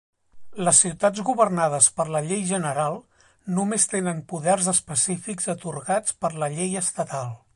Les ciutats governades per la llei general només tenen poders específics atorgats per la llei estatal.